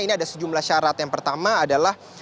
ini ada sejumlah syarat yang pertama adalah